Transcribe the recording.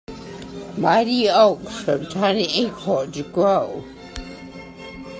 Mighty oaks from tiny acorns grow.